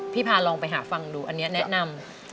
พาลองไปหาฟังดูอันนี้แนะนำ